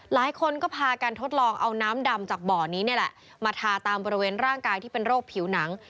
หลายคนก็พากันทดลองเอาน้ำดำจากบ่อนี้นี่แหละมาทาตามบริเวณร่างกายที่เป็นโรคผิวหนัง